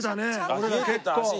俺ら結構。